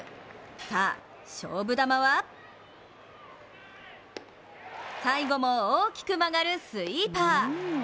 さあ、勝負球は最後も大きく曲がるスイーパー。